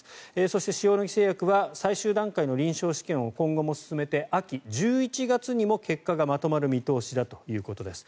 そして、塩野義製薬は最終段階の臨床試験を今後も進めて秋、１１月にも結果がまとまる見通しだということです。